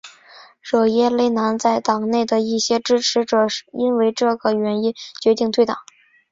惹耶勒南在党内的一些支持者因为这个原因决定退党。